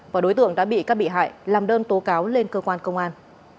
và đối tượng đã bị các bị hại làm đơn tố cáo lên cơ quan công an